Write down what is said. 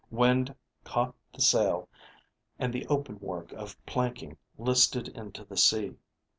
Wind caught the sail, and the open work of planking listed into the sea.